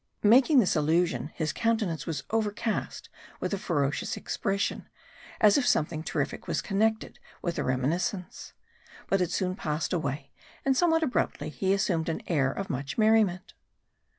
Making this allusion, his countenance was overcast with a ferocious expression, as if something terrific was connected with the reminiscence. But it soon passed away, and somewhat abruptly he assumed an air of much merriment.